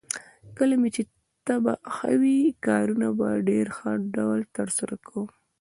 کله مې چې طبعه ښه وي، کارونه په ډېر ښه ډول ترسره کوم.